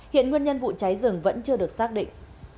hiện nguyên nhân vụ cháy rừng vẫn chưa được xác định